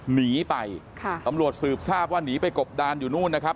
หนีไปค่ะตำรวจสืบทราบว่าหนีไปกบดานอยู่นู่นนะครับ